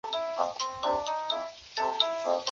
李世鹤多次被提名为工程院院士。